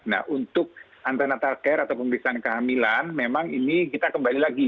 nah untuk antrenatal care atau pemeriksaan kehamilan memang ini kita kembali lagi